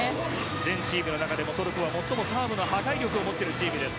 全チームの中でもトルコは最もサーブの破壊力を持っているチームです。